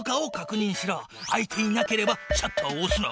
開いていなければシャッターをおすな。